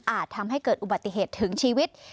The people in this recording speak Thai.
ทำให้เกิดอุบัติเหตุถึงชีวิต